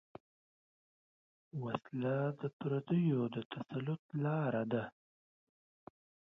وسله د پردیو د تسلط لاره ده